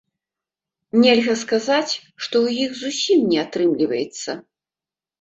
Нельга сказаць, што ў іх зусім не атрымліваецца.